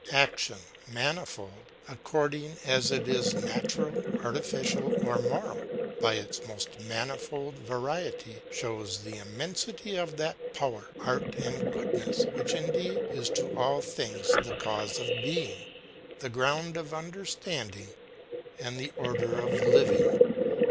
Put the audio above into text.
Action, manifold, according as it is natural, artificial, or moral, by its most manifold variety, shows the immensity of that power, art, and o oodness which indeed is to all thino s the cause of beino , the ground of understanding, and the order of living.